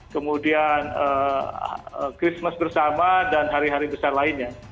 kemudian christmas bersama dan hari hari besar lainnya